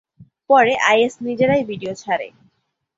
পরে আইএস নিজেরাই ভিডিও ছাড়ে।